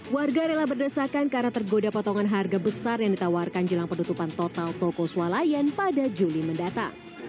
warga rela berdesakan karena tergoda potongan harga besar yang ditawarkan jelang penutupan total toko swalayan pada juli mendatang